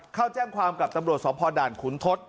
เข้าแจ้งความกับตำรวจสพด่านขุนทศ